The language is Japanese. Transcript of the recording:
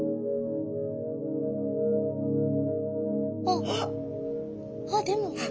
あっあっでも。